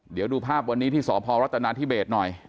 เดี๋ยวดูภาพวันนี้ที่สพรัฐนาธิเบสหน่อย